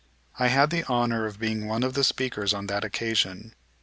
I had the honor of being one of the speakers on that occasion.